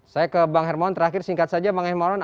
saya ke bang hermon terakhir singkat saja bang hermawan